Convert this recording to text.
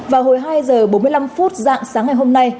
vào hồi hai h bốn mươi năm phút dạng sáng ngày hôm nay